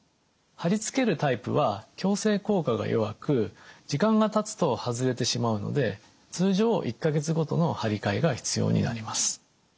貼り付けるタイプは矯正効果が弱く時間がたつと外れてしまうので通常１か月ごとの貼り替えが必要になります。